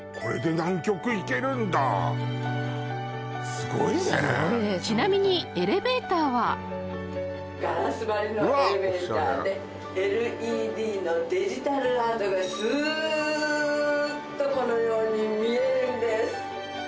ホントちなみにエレベーターはガラス張りのエレベーターでＬＥＤのデジタルアートがずっとこのように見えるんです